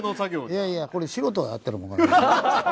いやいやこれ素人がやってるもん。